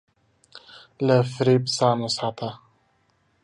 له فریب ځان وساته.